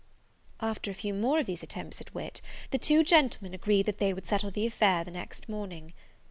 After a few more of these attempts at wit, the two gentlemen agreed that they would settle the affair the next morning.